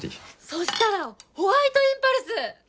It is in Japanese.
そしたらホワイトインパルス！